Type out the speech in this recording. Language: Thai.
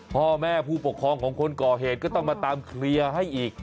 พ่อแม่ผู้ปกครองของคนก่อเหตุก็ต้องมาตามเคลียร์ให้อีก